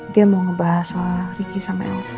dia mau ngebahas sama riki sama elsa